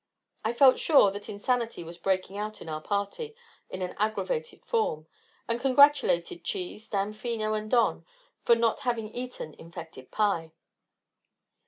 I felt sure that insanity was breaking out in our party in an aggravated form, and congratulated Cheese, Damfino and Don for not having eaten infected pie.